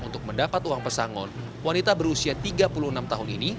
untuk mendapat uang pesangon wanita berusia tiga puluh enam tahun ini